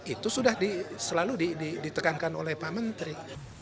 itu sudah selalu ditekankan oleh pak menteri